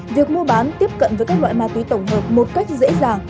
việc mua bán tiếp cận với các loại ma túy tổng hợp một cách dễ dàng